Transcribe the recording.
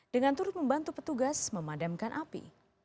dengan turut membantu petugas memadamkan api